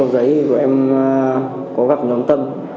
nguyễn hải tâm